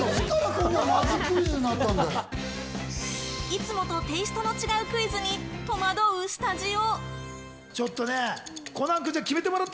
いつもとテイストの違うクイズに戸惑うスタジオ。